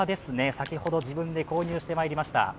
先ほど自分で購入してまいりました。